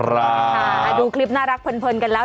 ดูคลิปน่ารักเพลินกันแล้ว